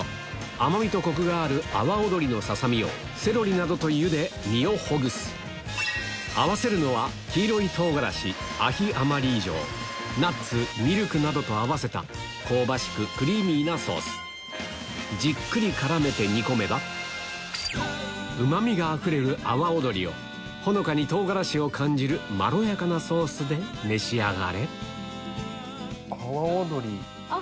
甘みとコクがある阿波尾鶏のささ身をセロリなどとゆで身をほぐす合わせるのは黄色い唐辛子ナッツミルクなどと合わせた香ばしくクリーミーなソースじっくり絡めて煮込めばうまみがあふれる阿波尾鶏をほのかに唐辛子を感じるまろやかなソースで召し上がれ阿波尾鶏。